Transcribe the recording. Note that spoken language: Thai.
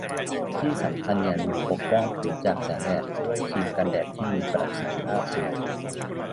ที่สำคัญอย่าลืมปกป้องผิวจากแสงแดดด้วยครีมกันแดดที่มีประสิทธิภาพสูง